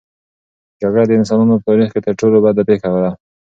جګړه د انسانانو په تاریخ کې تر ټولو بده پېښه ده.